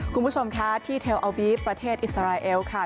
คุณผู้ชมคะที่เทลอาบีฟประเทศอิสราเอลค่ะ